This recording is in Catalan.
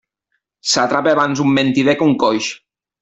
S'atrapa abans un mentider que un coix.